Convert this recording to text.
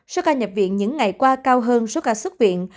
số ca nhập viện những ngày qua cao hơn số ca xuất viện